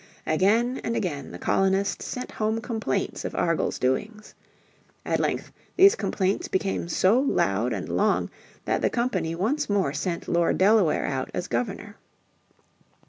Again and again the colonists sent home complaints of Argall's doings. At length these complaints became so loud and long that the company once more sent Lord Delaware out as Governor.